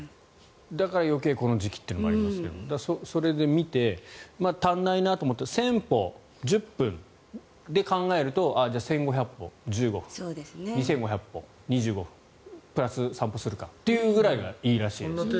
だから余計この時期というのがありますがそれで見て足りないなと思ったら１０００歩、１０分で考えると１５００歩、１５分２５００歩、２５分プラス、散歩するかっていうぐらいがいいと。